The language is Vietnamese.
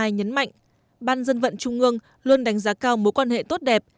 trương thị mai nhấn mạnh ban dân vận trung ương luôn đánh giá cao mối quan hệ tốt đẹp